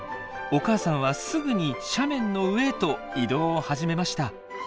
お母さんはすぐに斜面の上へと移動を始めました。